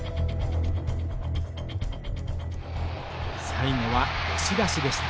最後は押し出しでした。